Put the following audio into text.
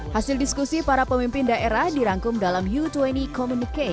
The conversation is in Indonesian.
hasil diskusi para pemimpin daerah dirangkum dalam u dua puluh communicate